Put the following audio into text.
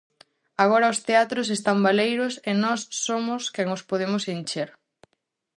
Agora os teatros están baleiros e nós somos quen os podemos encher.